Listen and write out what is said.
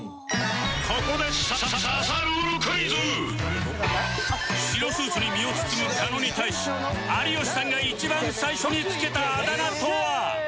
ここで白スーツに身を包む狩野に対し有吉さんが一番最初につけたあだ名とは？